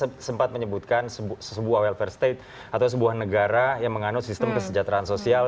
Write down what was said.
saya sempat menyebutkan sebuah welfare state atau sebuah negara yang menganut sistem kesejahteraan sosial